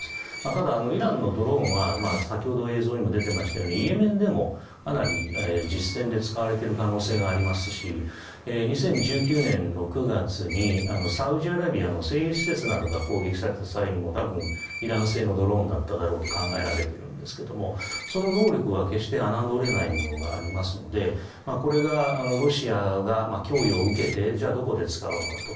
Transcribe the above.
ただ、イランのドローンは先ほど映像にも出ていましたようにイエメンでもかなり実戦で使われている可能性がありますし２０１９年６月にサウジアラビアの製油施設などが攻撃された際にもイラン製のドローンだったと考えられているんですけどその能力は決して侮れないものがありますのでこれがロシアが供与を受けてじゃあ、どこで使うのかと。